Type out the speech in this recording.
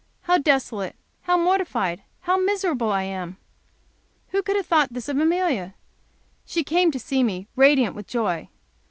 How desolate, how mortified, how miserable I am! Who could have thought this of Amelia! She came to see me, radiant with joy.